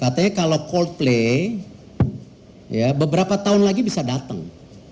katanya kalau coldplay beberapa tahun lagi bisa datang